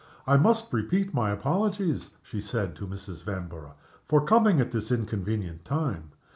"I must repeat my apologies," she said to Mrs. Vanborough, "for coming at this inconvenient time.